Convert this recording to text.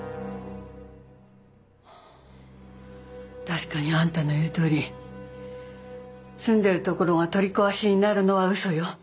確かにあんたの言うとおり住んでるところが取り壊しになるのは嘘よ。